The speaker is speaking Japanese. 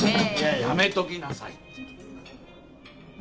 やめときなさいって。